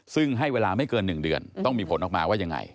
ซึ่งให้เวลาไม่เกิน๑เดือนต้องมีผลออกมาว่ายังไง